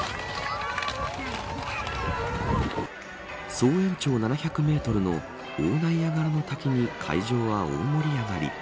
総延長７００メートルの大ナイアガラの滝に会場は大盛り上がり。